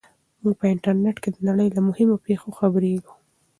موږ په انټرنیټ کې د نړۍ له مهمو پېښو خبریږو.